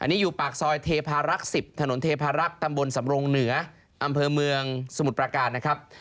อันนี้อยู่ปากซอยเทพารักษ์๑๐ถนนเทพารักษ์ตำบลสำรงเหนืออำเภอเมืองสมุทรประการนะครับ